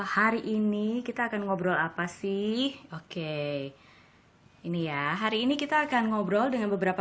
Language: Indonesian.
hari ini kita akan ngobrol apa sih oke ini ya hari ini kita akan ngobrol dengan beberapa